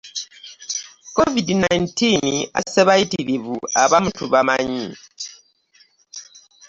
covid nineteen asse bayitirivu abamu tubamanyi.